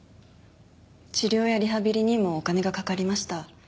治療やリハビリにもお金がかかりました。